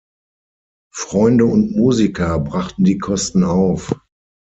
Freunde und Musiker brachten die Kosten auf.